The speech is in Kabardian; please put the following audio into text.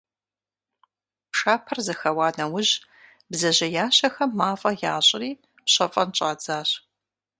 Пшапэр зэхэуа нэужь, бдзэжьеящэхэм мафӀэ ящӀри, пщэфӀэн щӀадзащ.